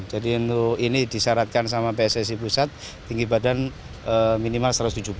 jadi ini disyaratkan sama pssi pusat tinggi badan minimal satu ratus tujuh puluh